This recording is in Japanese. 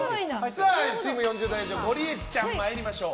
チーム４０代以上ゴリエちゃん、参りましょう。